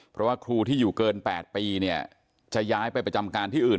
เพราะว่าครูที่อยู่เกิน๘ปีเนี่ยจะย้ายไปประจำการที่อื่น